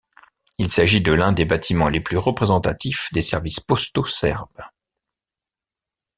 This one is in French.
Il s'agit de l'un des bâtiments les plus représentatifs des services postaux serbes.